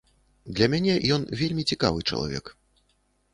Для мене ён вельмі цікавы чалавек.